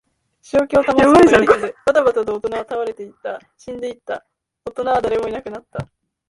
正気を保つことができず、ばたばたと大人は倒れていった。死んでいった。大人は誰もいなくなった。